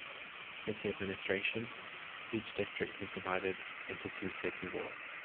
For city administration, each district is divided into two city wards.